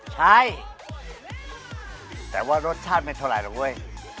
ใช่แต่ว่ารสชาติไม่เท่าไรหรอกเว้ย